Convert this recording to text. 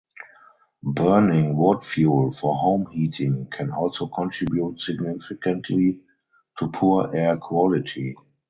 Burning wood fuel for home heating can also contribute significantly to poor air quality.